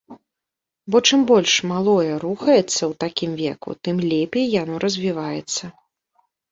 Бо чым больш малое рухаецца ў такім веку, тым лепей яно развіваецца.